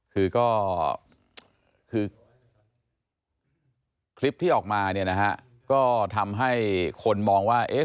คือก็คือคลิปที่ออกมาเนี่ยนะฮะก็ทำให้คนมองว่าเอ๊ะ